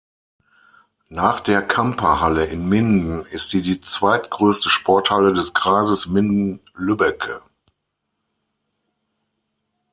Nach der Kampa-Halle in Minden ist sie die zweitgrößte Sporthalle des Kreises Minden-Lübbecke.